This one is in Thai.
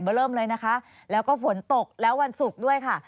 เริ่มเลยนะคะแล้วก็ฝนตกแล้ววันศุกร์ด้วยค่ะ